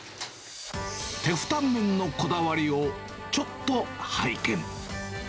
テフタンメンのこだわりをちょっと拝見。